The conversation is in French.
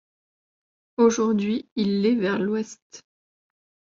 Aujourd'hui, il l'est vers l'ouest.